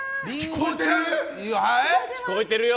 聞こえてるよ！